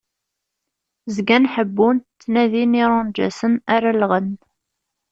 Zgan ḥebbun, ttnadin irunǧasen ara llɣen.